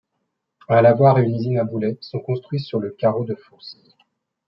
Un lavoir et une usine à boulets sont construits sur le carreau de fosse.